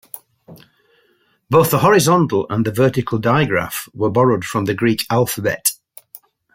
Both the horizontal and the vertical digraph were borrowed from the Greek alphabet.